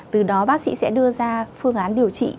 từ đó bác sĩ sẽ đưa ra phương án điều trị